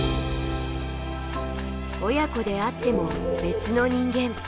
親子であっても別の人間。